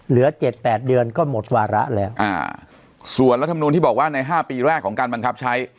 เหลือเจ็ดแปดเดือนก็หมดวาระแล้วอ่าส่วนรัฐมนุนที่บอกว่าในห้าปีแรกของการบังคับใช้